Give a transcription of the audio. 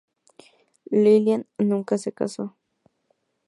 Lillian nunca se casó.